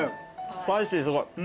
スパイシーすごい。